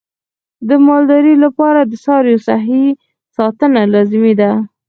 د مالدارۍ لپاره د څارویو صحي ساتنه لازمي ده.